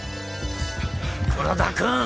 黒田君！